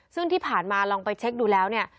ซึ่งที่ผ่านมาลองไปเช็คดูแล้วเนี่ย